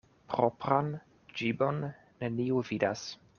Propran ĝibon neniu vidas.